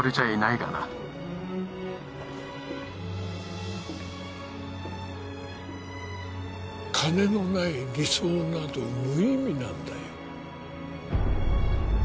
がな金のない理想など無意味なんだよ